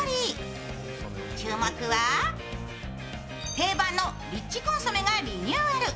定番のリッチコンソメがリニューアル。